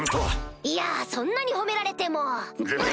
いやそんなに褒められても！